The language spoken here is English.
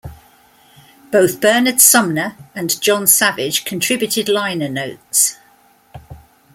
Both Bernard Sumner and Jon Savage contributed liner notes.